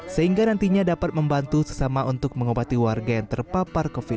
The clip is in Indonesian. sehingga nantinya dapat membantu sesama untuk mengobati warga yang terpapar covid sembilan belas